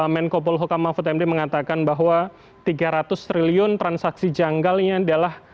menko polhokamafut md mengatakan bahwa tiga ratus triliun transaksi janggal ini adalah